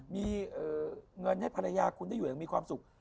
มีเงินให้ภรรยาคุณได้อยู่อย่างมีความสุข